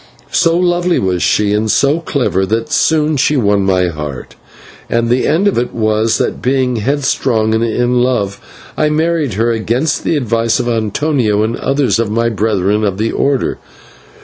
So lovely was she and so clever, that soon she won my heart, and the end of it was that, being headstrong and in love, I married her, against the advice of Antonio and others of my brethren of the Order.